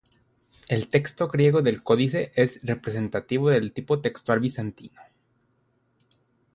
El texto griego del códice es representativo del tipo textual bizantino.